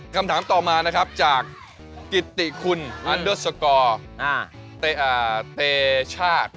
คำถามต่อมานะครับจากกิติคุณอันเดอร์สกอร์เตชาติ